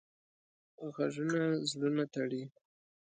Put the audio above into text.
غږونه زړونه تړي